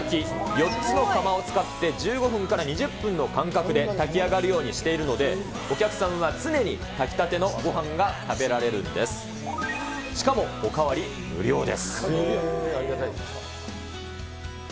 ４つの釜を使って１５分から２０分の間隔で炊きあがるようにしているので、お客さんは常に炊きたてのごはんが食べられるんです。